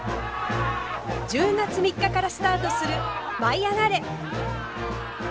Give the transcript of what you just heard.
１０月３日からスタートする「舞いあがれ！」。